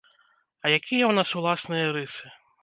А якія ў нас уласныя рысы?